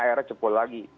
akhirnya jebol lagi